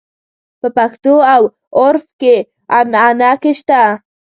په پښتو او عُرف او عنعنه کې شته.